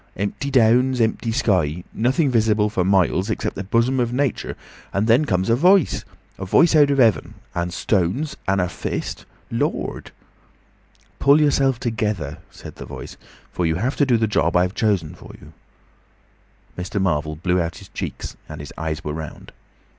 Empty downs, empty sky. Nothing visible for miles except the bosom of Nature. And then comes a voice. A voice out of heaven! And stones! And a fist—Lord!" "Pull yourself together," said the Voice, "for you have to do the job I've chosen for you." Mr. Marvel blew out his cheeks, and his eyes were round.